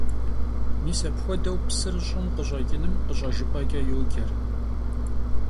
Mis apxuedeu psır ş'ım khış'eç'ınım khış'ejjıp'eç'e yoce.